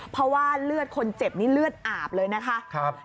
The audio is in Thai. เพราะว่าเลือดคนเจ็บนี่เลือดอาบเลยนะคะ